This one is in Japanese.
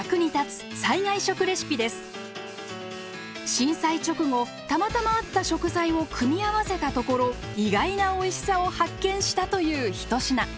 震災直後たまたまあった食材を組み合わせたところ意外なおいしさを発見したという一品。